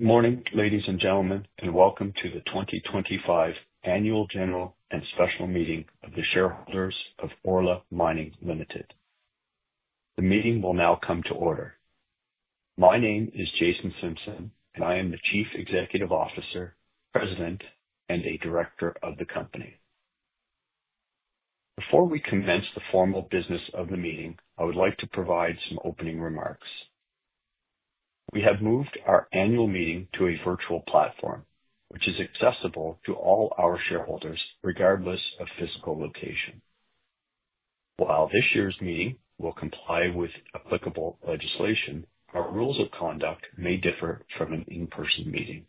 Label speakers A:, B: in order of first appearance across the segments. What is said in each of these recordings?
A: Good morning, ladies and gentlemen, and welcome to the 2025 Annual General and Special Meeting of the shareholders of Orla Mining Limited. The meeting will now come to order. My name is Jason Simpson, and I am the Chief Executive Officer, President, and a Director of the company. Before we commence the formal business of the meeting, I would like to provide some opening remarks. We have moved our annual meeting to a virtual platform, which is accessible to all our shareholders regardless of physical location. While this year's meeting will comply with applicable legislation, our rules of conduct may differ from an in-person meeting.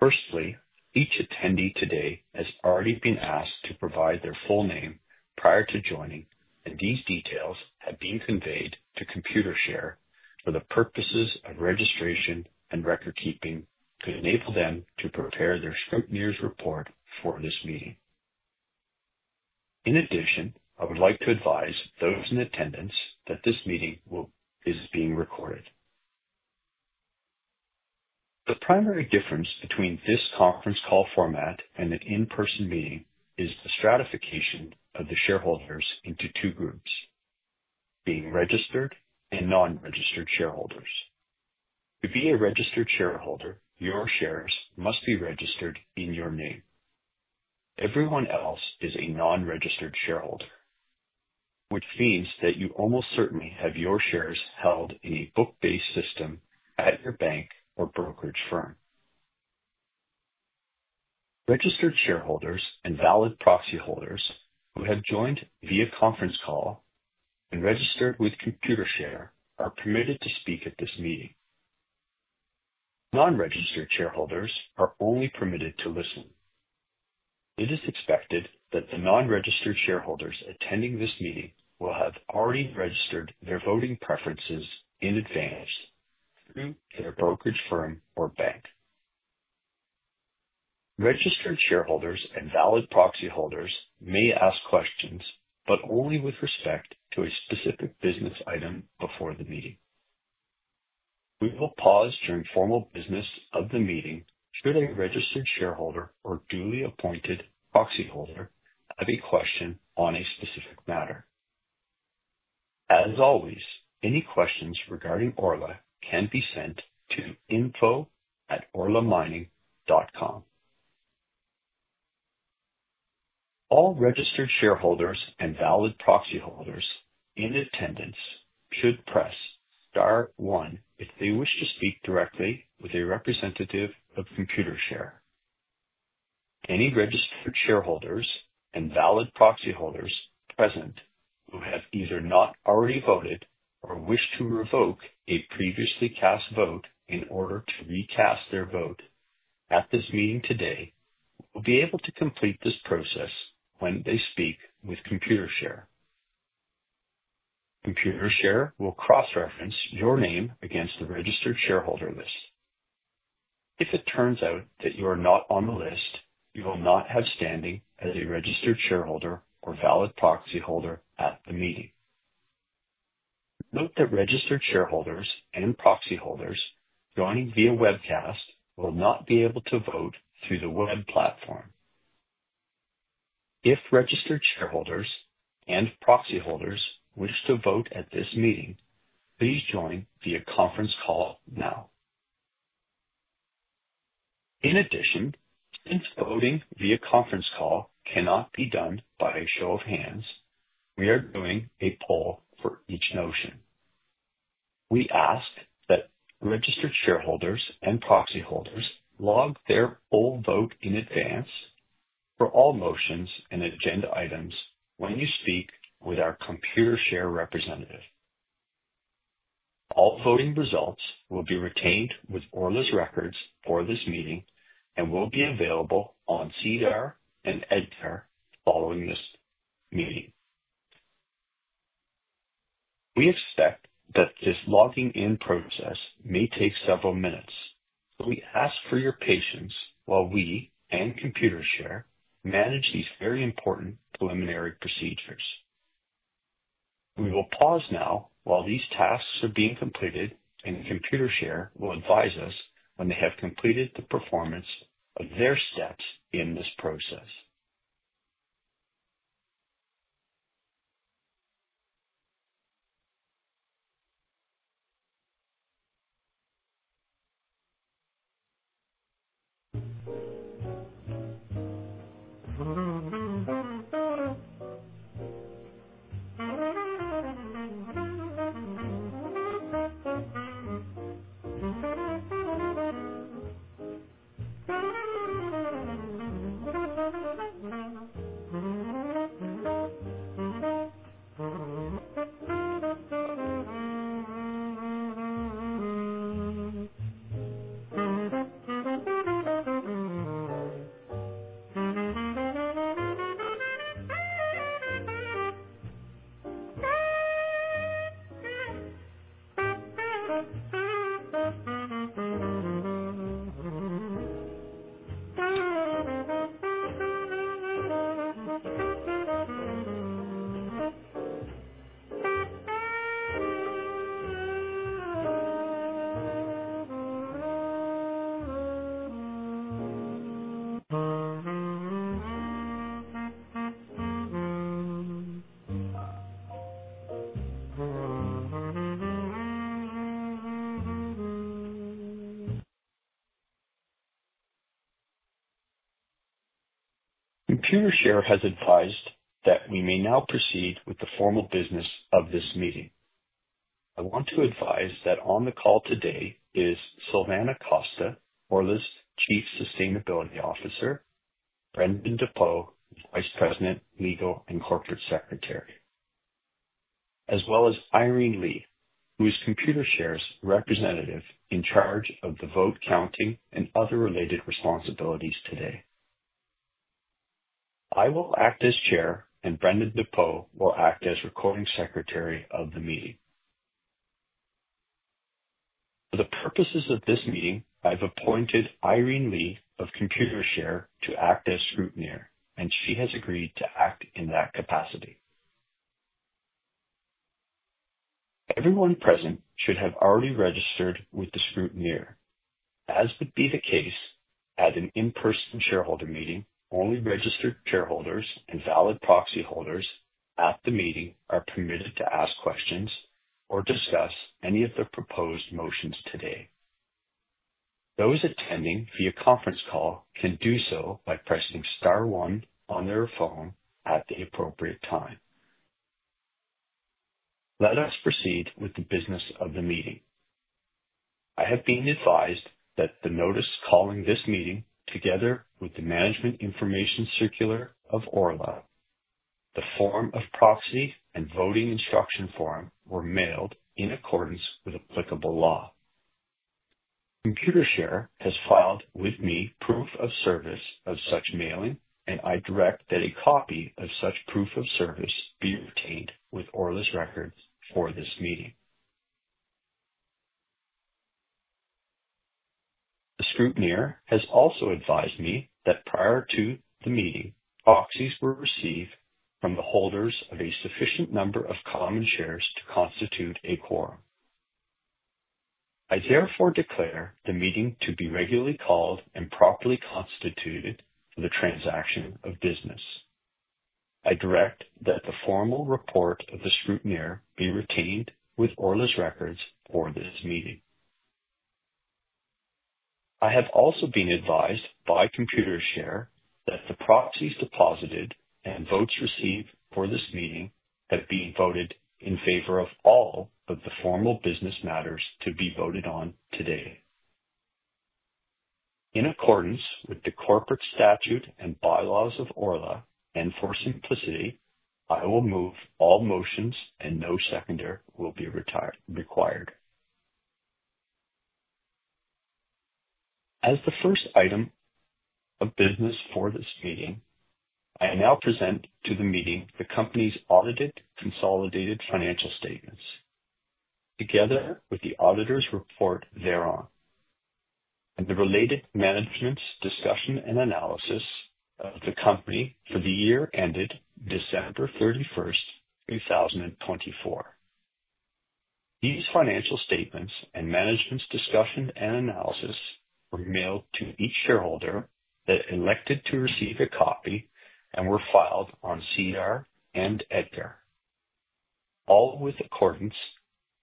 A: Firstly, each attendee today has already been asked to provide their full name prior to joining, and these details have been conveyed to Computershare for the purposes of registration and record-keeping to enable them to prepare their Scrutineer's Report for this meeting. In addition, I would like to advise those in attendance that this meeting is being recorded. The primary difference between this conference call format and an in-person meeting is the stratification of the shareholders into two groups: being registered and non-registered shareholders. To be a registered shareholder, your shares must be registered in your name. Everyone else is a non-registered shareholder, which means that you almost certainly have your shares held in a book-based system at your bank or brokerage firm. Registered shareholders and valid proxy holders who have joined via conference call and registered with Computershare are permitted to speak at this meeting. Non-registered shareholders are only permitted to listen. It is expected that the non-registered shareholders attending this meeting will have already registered their voting preferences in advance through their brokerage firm or bank. Registered shareholders and valid proxy holders may ask questions, but only with respect to a specific business item before the meeting. We will pause during formal business of the meeting should a registered shareholder or duly appointed proxy holder have a question on a specific matter. As always, any questions regarding Orla can be sent to info@orlamining.com. All registered shareholders and valid proxy holders in attendance should press star one if they wish to speak directly with a representative of Computershare. Any registered shareholders and valid proxy holders present who have either not already voted or wish to revoke a previously cast vote in order to recast their vote at this meeting today will be able to complete this process when they speak with Computershare. Computershare will cross-reference your name against the registered shareholder list. If it turns out that you are not on the list, you will not have standing as a registered shareholder or valid proxy holder at the meeting. Note that registered shareholders and proxy holders joining via webcast will not be able to vote through the web platform. If registered shareholders and proxy holders wish to vote at this meeting, please join via conference call now. In addition, since voting via conference call cannot be done by a show of hands, we are doing a poll for each motion. We ask that registered shareholders and proxy holders log their full vote in advance for all motions and agenda items when you speak with our Computershare representative. All voting results will be retained with Orla's records for this meeting and will be available on SEDAR and EDGAR following this meeting. We expect that this logging-in process may take several minutes, so we ask for your patience while we and Computershare manage these very important preliminary procedures. We will pause now while these tasks are being completed, and Computershare will advise us when they have completed the performance of their steps in this process. Computershare has advised that we may now proceed with the formal business of this meeting. I want to advise that on the call today is Silvana Costa, Orla's Chief Sustainability Officer, Brendan DePoe, Vice President, Legal and Corporate Secretary, as well as Irene Lee, who is Computershare's representative in charge of the vote counting and other related responsibilities today. I will act as Chair, and Brendan DePoe will act as Recording Secretary of the meeting. For the purposes of this meeting, I've appointed Irene Lee of Computershare to act as scrutineer, and she has agreed to act in that capacity. Everyone present should have already registered with the scrutineer. As would be the case at an in-person shareholder meeting, only registered shareholders and valid proxy holders at the meeting are permitted to ask questions or discuss any of the proposed motions today. Those attending via conference call can do so by pressing star one on their phone at the appropriate time. Let us proceed with the business of the meeting. I have been advised that the notice calling this meeting, together with the Management Information Circular of Orla, the form of proxy and voting instruction form, were mailed in accordance with applicable law. Computershare has filed with me proof of service of such mailing, and I direct that a copy of such proof of service be retained with Orla's records for this meeting. The scrutineer has also advised me that prior to the meeting, proxies were received from the holders of a sufficient number of common shares to constitute a quorum. I therefore declare the meeting to be regularly called and properly constituted for the transaction of business. I direct that the formal report of the scrutineer be retained with Orla's records for this meeting. I have also been advised by Computershare that the proxies deposited and votes received for this meeting have been voted in favor of all of the formal business matters to be voted on today. In accordance with the corporate statute and bylaws of Orla and for simplicity, I will move all motions, and no seconder will be required. As the first item of business for this meeting, I now present to the meeting the company's audited consolidated financial statements, together with the auditor's report thereon, and the related Management's Discussion and Analysis of the company for the year ended December 31st, 2024. These financial statements and Management's Discussion and Analysis were mailed to each shareholder that elected to receive a copy and were filed on SEDAR and EDGAR, all in accordance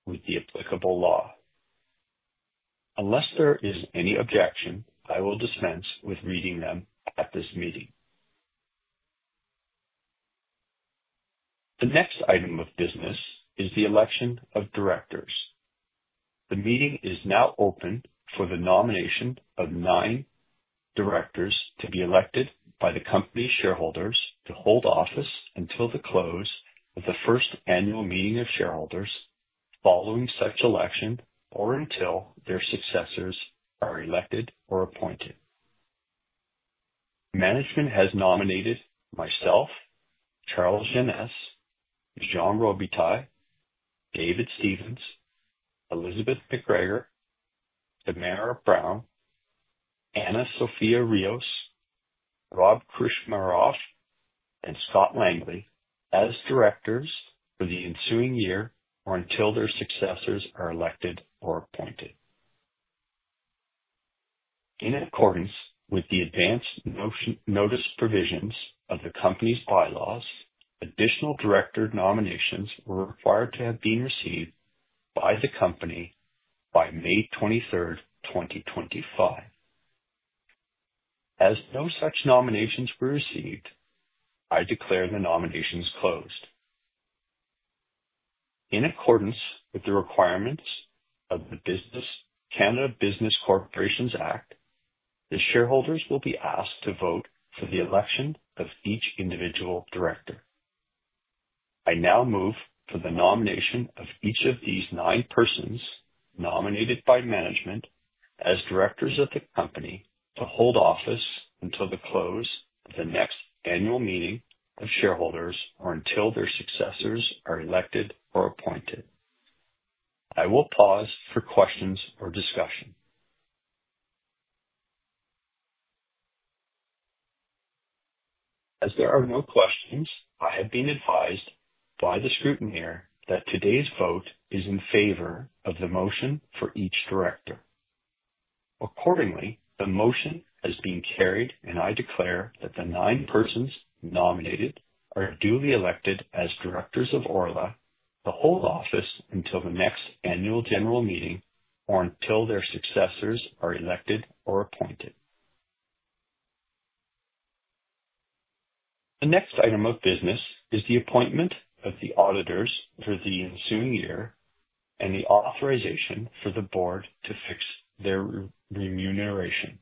A: with the applicable law. Unless there is any objection, I will dispense with reading them at this meeting. The next item of business is the election of directors. The meeting is now open for the nomination of nine directors to be elected by the company's shareholders to hold office until the close of the first annual meeting of shareholders following such election or until their successors are elected or appointed. Management has nominated myself, Charles Jeannes, Jean Robitaille, David Stephens, Elizabeth McGregor, Tamara Brown, Ana Sofía Ríos, Rob Krcmarov, and Scott Langley as directors for the ensuing year or until their successors are elected or appointed. In accordance with the advanced notice provisions of the company's bylaws, additional director nominations were required to have been received by the company by May 23rd, 2025. As no such nominations were received, I declare the nominations closed. In accordance with the requirements of the Canada Business Corporations Act, the shareholders will be asked to vote for the election of each individual director. I now move for the nomination of each of these nine persons nominated by management as directors of the company to hold office until the close of the next annual meeting of shareholders or until their successors are elected or appointed. I will pause for questions or discussion. As there are no questions, I have been advised by the scrutineer that today's vote is in favor of the motion for each director. Accordingly, the motion has been carried, and I declare that the nine persons nominated are duly elected as directors of Orla to hold office until the next Annual General Meeting or until their successors are elected or appointed. The next item of business is the appointment of the auditors for the ensuing year and the authorization for the board to fix their remuneration.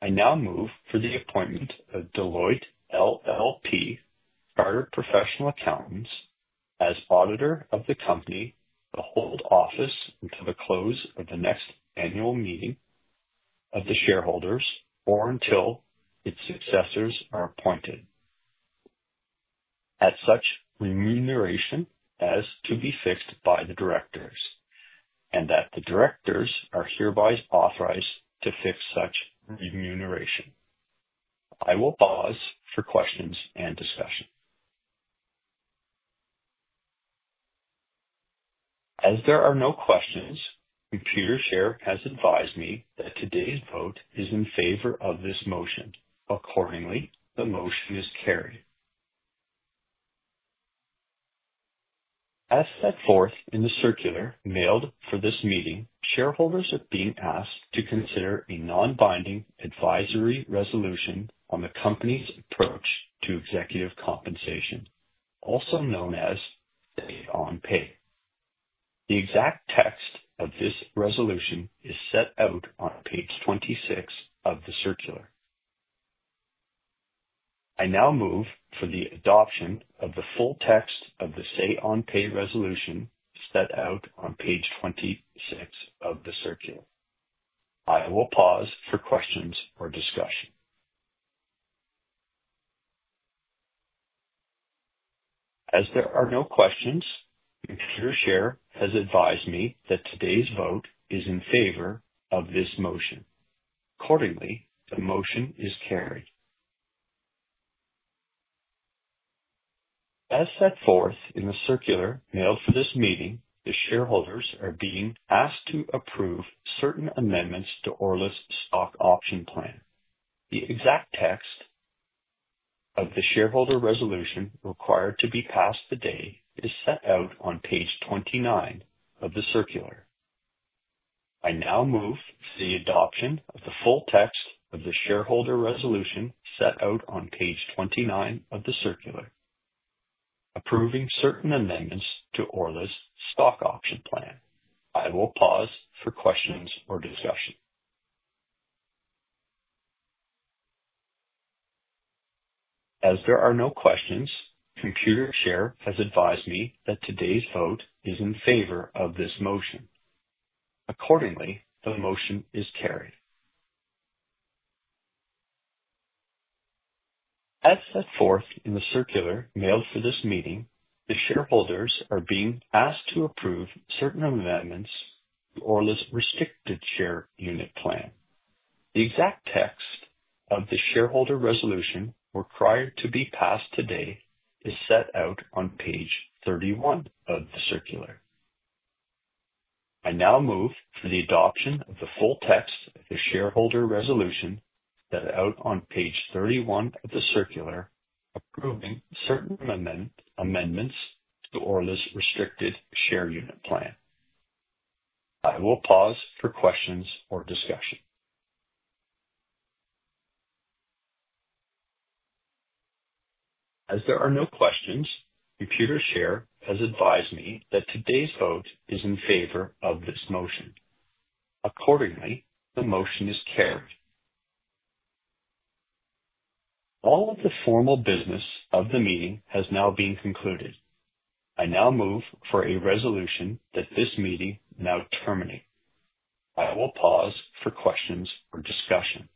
A: I now move for the appointment of Deloitte LLP, Chartered Professional Accountants, as auditor of the company to hold office until the close of the next annual meeting of the shareholders or until its successors are appointed at such remuneration as to be fixed by the directors and that the directors are hereby authorized to fix such remuneration. I will pause for questions and discussion. As there are no questions, Computershare has advised me that today's vote is in favor of this motion. Accordingly, the motion is carried. As set forth in the circular mailed for this meeting, shareholders are being asked to consider a non-binding advisory resolution on the company's approach to executive compensation, also known as Say-on-Pay. The exact text of this resolution is set out on page 26 of the circular. I now move for the adoption of the full text of the Say-on-Pay resolution set out on page 26 of the circular. I will pause for questions or discussion. As there are no questions, Computershare has advised me that today's vote is in favor of this motion. Accordingly, the motion is carried. As set forth in the circular mailed for this meeting, the shareholders are being asked to approve certain amendments to Orla's Stock Option Plan. The exact text of the shareholder resolution required to be passed today is set out on page 29 of the circular. I now move for the adoption of the full text of the shareholder resolution set out on page 29 of the circular, approving certain amendments to Orla's Stock Option Plan. I will pause for questions or discussion. As there are no questions, Computershare has advised me that today's vote is in favor of this motion. Accordingly, the motion is carried. As set forth in the circular mailed for this meeting, the shareholders are being asked to approve certain amendments to Orla's Restricted Share Unit Plan. The exact text of the shareholder resolution required to be passed today is set out on page 31 of the circular. I now move for the adoption of the full text of the shareholder resolution set out on page 31 of the circular, approving certain amendments to Orla's Restricted Share Unit Plan. I will pause for questions or discussion. As there are no questions, Computershare has advised me that today's vote is in favor of this motion. Accordingly, the motion is carried. All of the formal business of the meeting has now been concluded. I now move for a resolution that this meeting now terminate. I will pause for questions or discussion.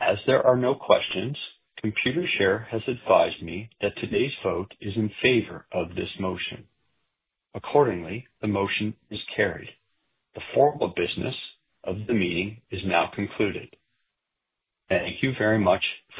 A: As there are no questions, Computershare has advised me that today's vote is in favor of this motion. Accordingly, the motion is carried. The formal business of the meeting is now concluded. Thank you very much for.